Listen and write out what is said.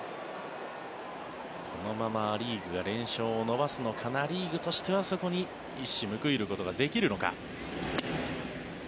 このままア・リーグが連勝を伸ばすのかナ・リーグとしてはそこに一矢報いることができるのか。